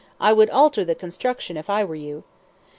I would alter the construction if I were you!"